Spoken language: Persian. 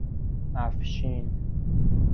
اَفشین